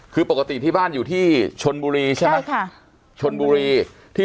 คือปกติที่บ้านอยู่ที่ชนบุรีใช่ไหมค่ะชนบุรีที่